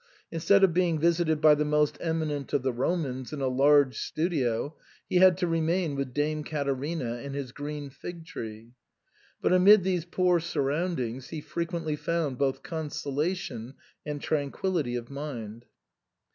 Instead of being visited by the most eminent of the Romans in a large studio, he had to remain with Dame Caterina and his green fig tree ; but amid these poor surroundings he frequently found both consolation and tranquillity of mind.